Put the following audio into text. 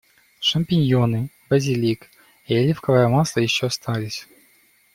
Шампиньоны, базилик, и оливковое масло ещё остались.